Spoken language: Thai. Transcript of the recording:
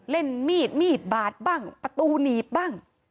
เล่นมีดมีดบาดบ้างประตูหนีบบ้าง